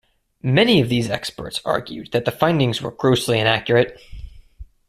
Many of these experts argued that the findings were grossly inaccurate.